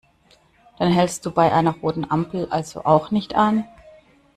Dann hältst du bei einer roten Ampel also auch nicht an?